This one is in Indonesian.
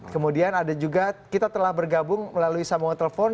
kemudian ada juga kita telah bergabung melalui sambungan telepon